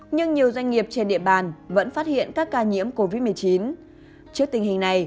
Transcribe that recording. nhưng nhiều doanh nghiệp trên địa bàn vẫn phát hiện các ca nhiễm covid một mươi chín